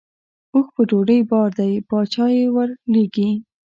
اوښ په ډوډۍ بار دی باچا یې ورلېږي.